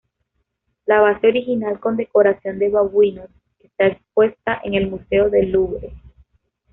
La base original, con decoración de babuinos, está expuesta en el museo del Louvre.